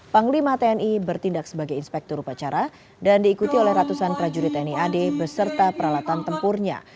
panglima tni bertindak sebagai inspektur upacara dan diikuti oleh ratusan prajurit tni ad beserta peralatan tempurnya